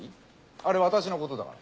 あれ私のことだから。